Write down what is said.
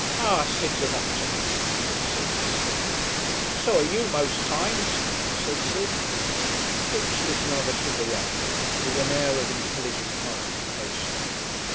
"Ah, Sid's an optimist," said Masterman. "So are you, most times," said Sid. Kipps lit another cigarette with an air of intelligent participation.